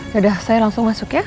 sudah saya langsung masuk ya